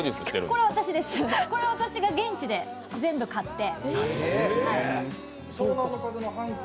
これは私が現地で全部買って。